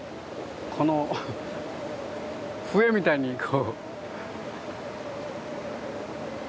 この笛みたいにこう。